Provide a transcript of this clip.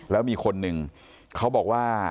แล้วมีคนหนึ่งเขาบอกว่า